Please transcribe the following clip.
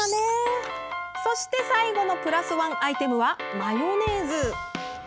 そして、最後のプラスワンアイテムはマヨネーズ。